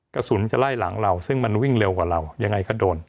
กระสุนจะไล่หลังเราซึ่งมันวิ่งเร็วกว่าเรายังไงก็โดน